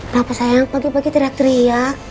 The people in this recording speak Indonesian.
kenapa sayang pagi pagi teriak teriak